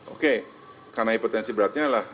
oke karena hipertensi beratnya lah